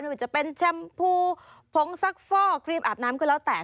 ไม่ว่าจะเป็นแชมพูผงซักฟ่อเกลียดอาบน้ำก็แล้วแตก